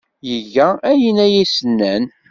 Iga ayen ay as-nnan.